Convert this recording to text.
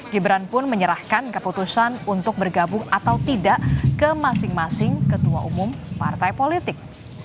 gibran pun menyerahkan keputusan untuk bergabung atau tidak ke masing masing ketua umum partai politik